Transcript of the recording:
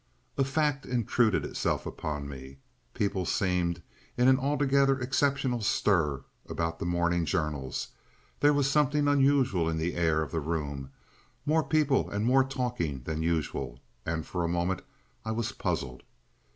A fact intruded itself upon me. People seemed in an altogether exceptional stir about the morning journals, there was something unusual in the air of the room, more people and more talking than usual, and for a moment I was puzzled.